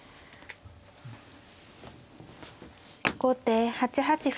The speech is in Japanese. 後手８八歩。